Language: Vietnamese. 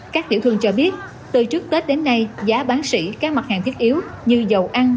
các tiểu thương cho biết từ trước tết đến nay giá bán xỉ các mặt hàng thiết yếu như dầu ăn